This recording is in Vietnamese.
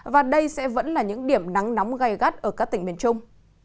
và đây sẽ vẫn là những điểm nắng nóng gai gắt ở các tỉnh miền trung